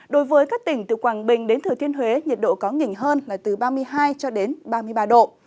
đối với các tỉnh từ quảng bình đến thừa thiên huế nhiệt độ có nghỉnh hơn là từ ba mươi hai ba mươi ba độ